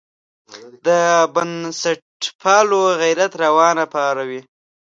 د بنسټپالو غیرت راونه پاروي.